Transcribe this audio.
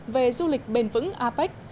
về du lịch bền vững apec